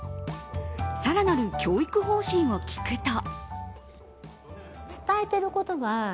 更なる教育方針を聞くと。